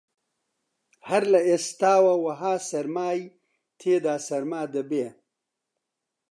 هەر لە ئێستاوە وەها سەرمای تێدا سەرما دەبێ